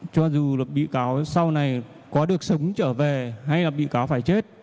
cho dù bị cáo sau này có được sống trở về hay là bị cáo phải chết